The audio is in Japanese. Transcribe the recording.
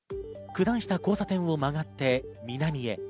九段下交差点を曲がって南へ。